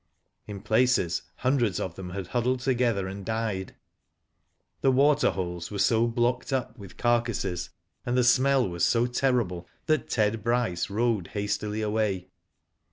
In places, hundreds of them had huddled to gether and died. The water holes were blocked up with carcasses, and the smell was so terrible that Ted Bryce rode hastily away.